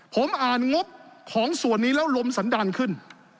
ผมอ่านงบของส่วนนี้แล้วลมสันดาลขึ้น